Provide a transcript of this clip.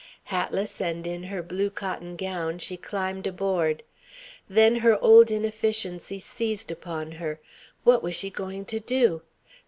Hatless and in her blue cotton gown, she climbed aboard. Then her old inefficiency seized upon her. What was she going to do?